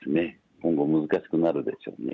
今後、難しくなるでしょうね。